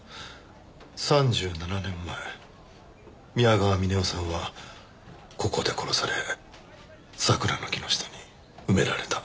３７年前宮川峰夫さんはここで殺され桜の木の下に埋められた。